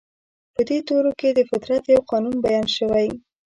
په دې تورو کې د فطرت يو قانون بيان شوی.